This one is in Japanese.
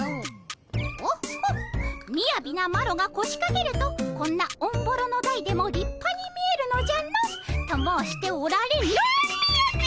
「オッホッみやびなマロがこしかけるとこんなオンボロの台でも立派に見えるのじゃの」と申しておられノーみやびっ！